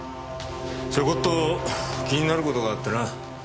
ちょこっと気になる事があってな。